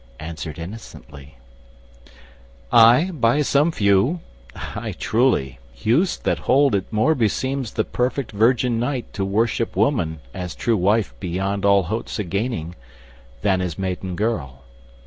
—answered innocently: "Ay, by some few—ay, truly—youths that hold It more beseems the perfect virgin knight To worship woman as true wife beyond All hopes of gaining, than as maiden girl.